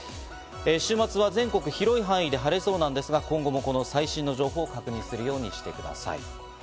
週末は全国の広い範囲で晴れそうですが、今後も最新の情報を確認するようにしてください。